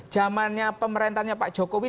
zamannya pemerintahnya pak jokowi